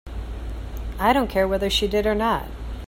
I don't care whether she did or not.